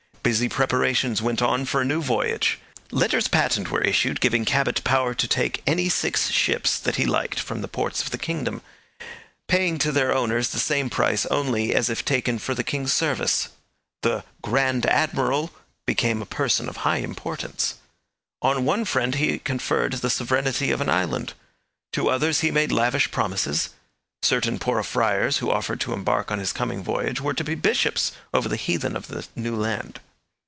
Busy preparations went on for a new voyage. Letters patent were issued giving Cabot power to take any six ships that he liked from the ports of the kingdom, paying to their owners the same price only as if taken for the king's service. The 'Grand Admiral' became a person of high importance. On one friend he conferred the sovereignty of an island; to others he made lavish promises; certain poor friars who offered to embark on his coming voyage were to be bishops over the heathen of the new land.